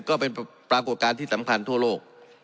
ก็เป็นปรากฏการณ์ที่สำคัญทั่วโลก